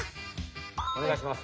おねがいします。